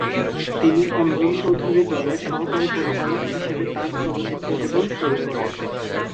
তিনি অঞ্জন চৌধুরী দলের সহকারী পরিচালক হিসেবে তার চলচ্চিত্র জীবন শুরু করেন।